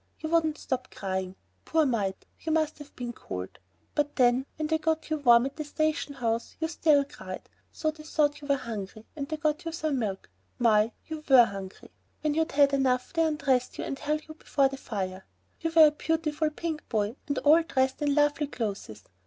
You wouldn't stop crying. Poor mite, you must have been cold. But then, when they got you warm at the station house, you still cried, so they thought you were hungry, and they got you some milk. My! you were hungry! When you'd had enough they undressed you and held you before the fire. You were a beautiful pink boy, and all dressed in lovely clothes.